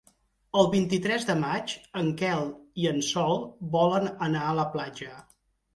El vint-i-tres de maig en Quel i en Sol volen anar a la platja.